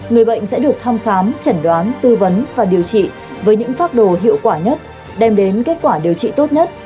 người bệnh sẽ được thăm khám chẩn đoán tư vấn và điều trị với những phác đồ hiệu quả nhất đem đến kết quả điều trị tốt nhất